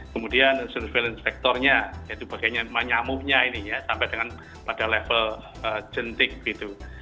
kemudian surveillance vektornya yaitu bagiannya menyamuknya ini ya sampai dengan pada level jentik gitu